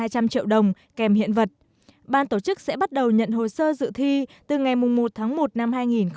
hai trăm linh triệu đồng kèm hiện vật ban tổ chức sẽ bắt đầu nhận hồ sơ dự thi từ ngày một tháng một năm hai nghìn hai mươi